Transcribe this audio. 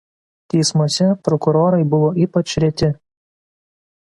Teismuose prokurorai buvo ypač reti.